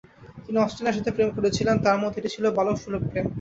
তিনি অস্টিনের সাথে প্রেম করেছিলেন, তার মতে এটি ছিল বালকসুলভ প্রেম।